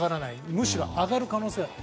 むしろ、上がる可能性がある。